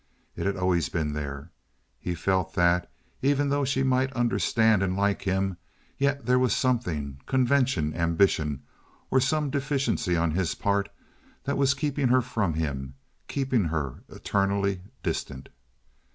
It had always been there. He felt that, even though she might understand and like him, yet there was something—convention, ambition, or some deficiency on his part—that was keeping her from him, keeping her eternally distant.